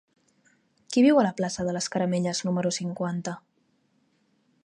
Qui viu a la plaça de les Caramelles número cinquanta?